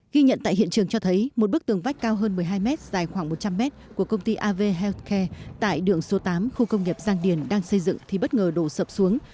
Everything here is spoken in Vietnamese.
ghi nhận tại hiện trường cho thấy một bức tường vách cao hơn một mươi hai mét dài khoảng một trăm linh mét của công ty av healthcare tại đường số tám khu công nghiệp giang điền đang xây dựng thì bất ngờ đổ sập xuống